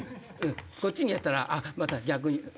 こっちにやったらまた逆に。